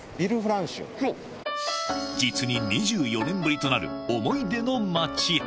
実に２４年ぶりとなる思い出の街。